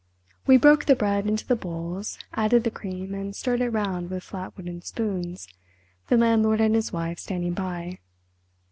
We broke the bread into the bowls, added the cream, and stirred it round with flat wooden spoons, the landlord and his wife standing by.